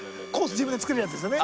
自分で作るやつですよね？